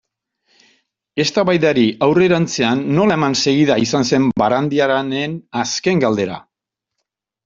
Eztabaidari aurrerantzean nola eman segida izan zen Barandiaranen azken galdera.